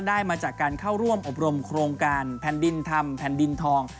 มาจากการเข้าร่วมอบรมโครงการแผ่นดินธรรมแผ่นดินทอง